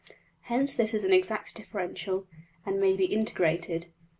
Hence this is an exact differential, and may be integrated.